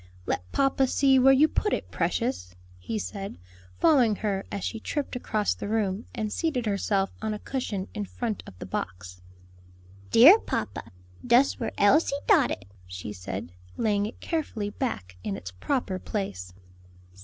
"Let papa see where you put it, precious," he said, following her as she tripped across the room and seated herself on a cushion in front of the box. "Dere, papa, dus where Elsie dot it," she said, laying it carefully back in its proper place.